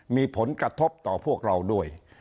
มีผลกระทบต่อพวกเราด้วย